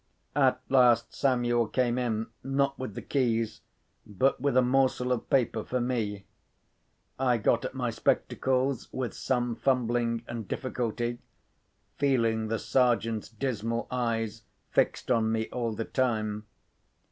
At last, Samuel came in, not with the keys, but with a morsel of paper for me. I got at my spectacles, with some fumbling and difficulty, feeling the Sergeant's dismal eyes fixed on me all the time.